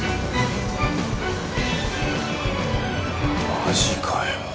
マジかよ。